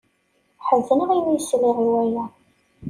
Ḥezneɣ imi ay sliɣ i waya.